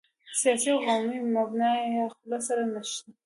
سیاسي او قومي مبنا یا خو له سره نشته.